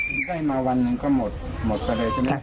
มันได้มาวันหนึ่งก็หมดหมดไปเลยใช่ไหม